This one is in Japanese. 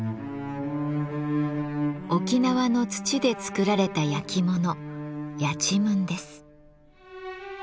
沖縄の土で作られたやきものやちむんです。